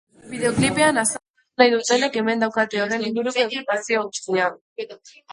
Bideoklipean azaldu nahi dutenek hemen daukate horren inguruko informazio guztia.